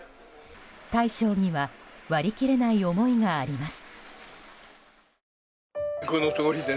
大将には割り切れない思いがあります。